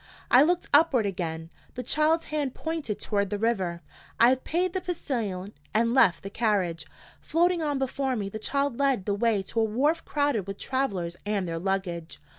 I looked upward again. The child's hand pointed toward the river. I paid the postilion and left the carriage. Floating on before me, the child led the way to a wharf crowded with travelers and their luggage.